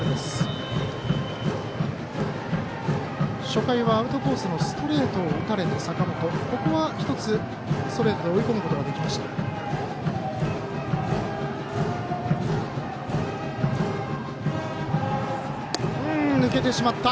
初回はアウトコースのストレートを打たれた坂本、ここは１つストレートで追い込むことができました。